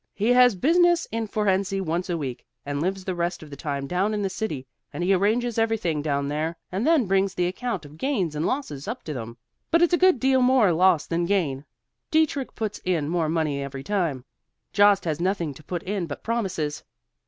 He has business in Fohrensee once a week, and lives the rest of the time down in the city; and he arranges everything down there, and then brings the account of gains and losses up to them; but it's a good deal more loss than gain. Dietrich puts in more money every time. Jost has nothing to put in but promises.